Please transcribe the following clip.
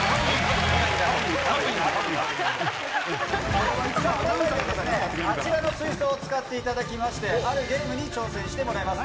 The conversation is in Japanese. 皆さんには、あちらの水槽を使っていただきまして、あるゲームに挑戦してもらいます。